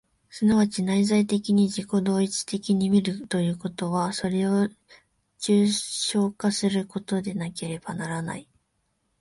即ち内在的に自己同一的に見るということは、それを抽象化することでなければならない。